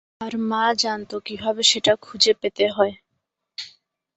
আর মা জানত কিভাবে সেটা খুঁজে পেতে হয়।